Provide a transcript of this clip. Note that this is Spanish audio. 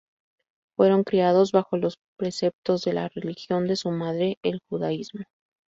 Fueron criados bajo los preceptos de la religión de su madre, el judaísmo.